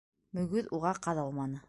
Мөгөҙ уға ҡаҙалманы.